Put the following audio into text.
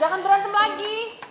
jangan berantem lagi